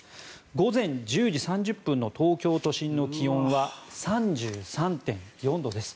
午前１０時３０分の東京都心の気温は３３．４度です。